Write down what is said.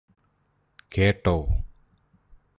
കേട്ടോ